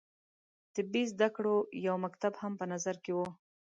طبي زده کړو یو مکتب هم په نظر کې وو.